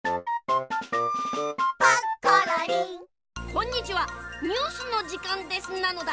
こんにちはニュースのじかんですなのだ。